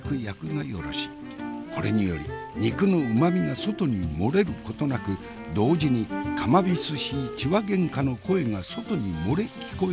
これにより肉のうまみが外に漏れることなく同時にかまびすしい痴話げんかの声が外に漏れ聞こえることなし。